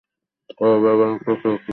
কতগুলো বছর তোকে দেখি না!